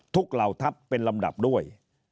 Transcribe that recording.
เหล่าทัพเป็นลำดับด้วย